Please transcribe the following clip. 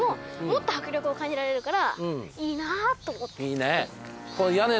いいね。